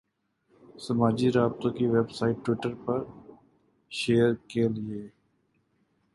سماجی رابطوں کی ویب سائٹ ٹوئٹر پر شیئر کیے گئے